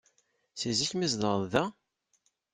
Si zik mi tzedɣeḍ da?